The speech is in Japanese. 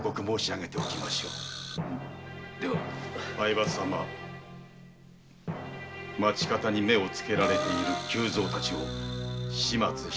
相場様町方に目をつけられている久蔵たちを始末した方が。